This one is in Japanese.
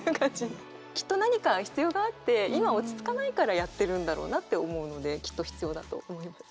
きっと何か必要があって今落ち着かないからやってるんだろうなって思うのできっと必要だと思います。